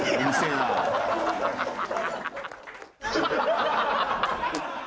ハハハハ！